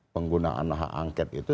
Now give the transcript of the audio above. penggunaan hak angket itu